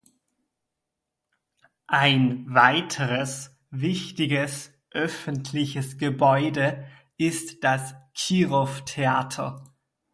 Ein weiteres wichtiges öffentliches Gebäude ist das Kirov-Theater.